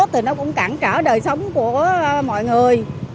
thì nó cũng cản trở đời sống của mọi người